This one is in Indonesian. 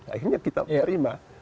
akhirnya kita menerima